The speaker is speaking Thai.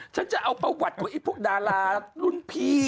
จะเอาประวัติของไอ้พวกดารารุ่นพี่